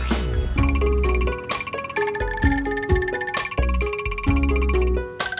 semoga selamat sampai tujuan